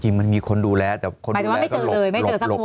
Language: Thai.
จริงมันมีคนดูแลแต่คนดูแลก็หลบหลบ